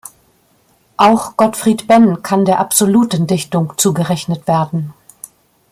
Auch Gottfried Benn kann der absoluten Dichtung zugerechnet werden.